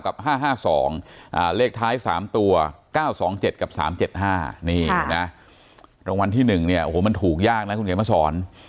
เลขท้าย๓ตัว๙๒๗กับ๓๗๕นี่นะรางวัลที่๑เนี่ยโอ้โหมันถูกยากนะคุณเขียนมาสอน